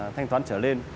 thanh toán trở lên